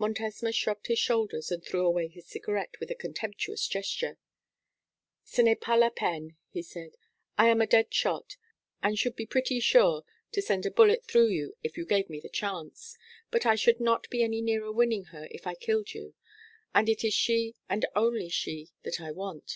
Montesma shrugged his shoulders, and threw away his cigarette with a contemptuous gesture. 'Ce n'est pas la peine,' he said; 'I am a dead shot, and should be pretty sure to send a bullet through you if you gave me the chance; but I should not be any nearer winning her if I killed you: and it is she and she only that I want.